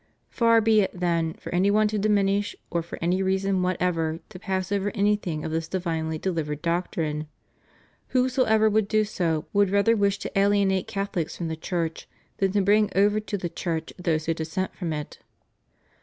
* Far be it, then, for any one to diminish or for any reason what ever to pass over anything of this divinely delivered doc trine; whosoever would do so, would rather wish to alienate Catholics from the Church than to bring over to the Church those who dissent from it.